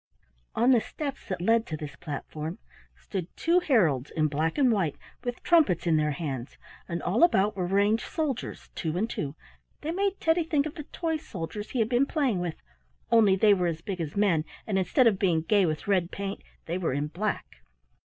On the steps that led to this platform stood two heralds in black and white with trumpets in their hands, and all about were ranged soldiers two and two. They made Teddy think of the toy soldiers he had been playing with, only they were as big as men, and instead of being gay with red paint they were in black.